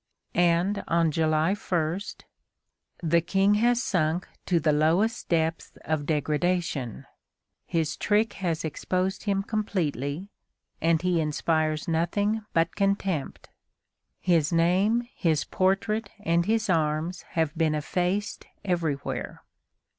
And on July 1: "The King has sunk to the lowest depths of degradation; his trick has exposed him completely, and he inspires nothing but contempt. His name, his portrait, and his arms have been effaced everywhere.